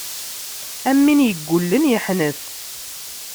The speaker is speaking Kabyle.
Am win yeggullen yeḥnet.